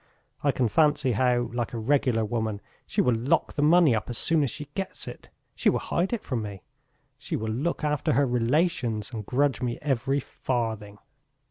I can fancy how, like a regular woman, she will lock the money up as soon as she gets it.... She will hide it from me.... She will look after her relations and grudge me every farthing."